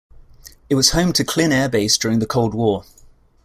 It was home to Klin air base during the Cold War.